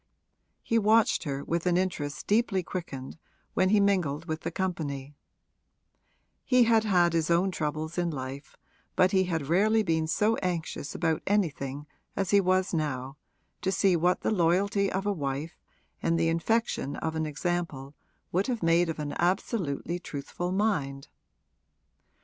He watched her with an interest deeply quickened when he mingled with the company; he had had his own troubles in life, but he had rarely been so anxious about anything as he was now to see what the loyalty of a wife and the infection of an example would have made of an absolutely truthful mind.